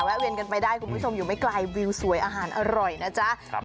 เวียนกันไปได้คุณผู้ชมอยู่ไม่ไกลวิวสวยอาหารอร่อยนะจ๊ะ